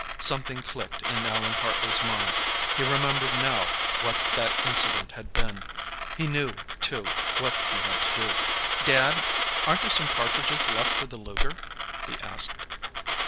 Something clicked in Allan Hartley's mind. He remembered, now, what that incident had been. He knew, too, what he had to do. "Dad, aren't there some cartridges left for the Luger?" he asked.